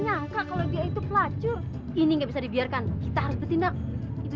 nyangka kalau dia itu pelacur ini nggak bisa dibiarkan kita harus bertindak itu